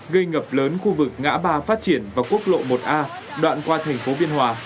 gây ngập lớn khu vực ngã ba phát triển và quốc lộ một a đoạn qua thành phố biên hòa